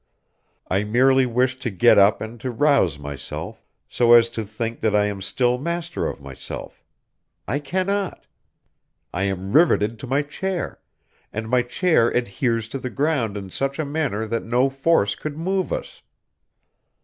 I merely wish to get up and to rouse myself, so as to think that I am still master of myself: I cannot! I am riveted to my chair, and my chair adheres to the ground in such a manner that no force could move us.